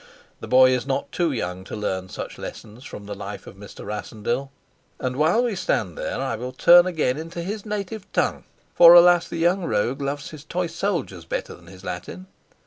The boy is not too young to learn such lessons from the life of Mr. Rassendyll. And while we stand there I will turn again into his native tongue for, alas, the young rogue loves his toy soldiers better than his Latin!